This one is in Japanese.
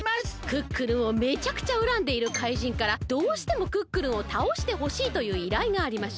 クックルンをめちゃくちゃうらんでいる怪人からどうしてもクックルンをたおしてほしいといういらいがありました。